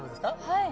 はい。